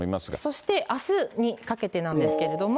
そしてあすにかけてなんですけれども。